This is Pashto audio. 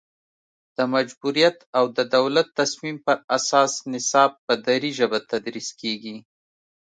د مجبوریت او د دولت تصمیم پر اساس نصاب په دري ژبه تدریس کیږي